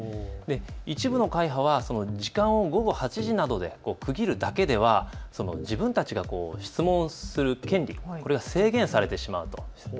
一部の会派は時間を午後８時などで区切るだけでは自分たちが質問する権利、これが制限されてしまうと。